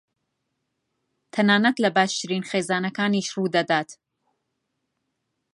تەنانەت لە باشترین خێزانەکانیش ڕوودەدات.